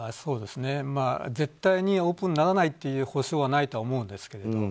絶対にオープンにならないという保証はないと思うんですけど。